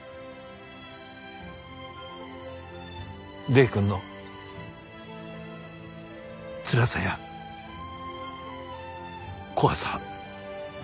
礼くんのつらさや怖さ